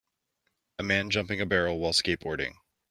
A man jumping a barrel while skateboarding.